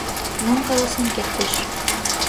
Мом каласен кертеш?